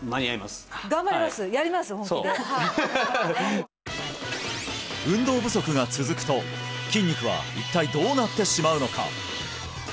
本気ではい運動不足が続くと筋肉は一体どうなってしまうのか？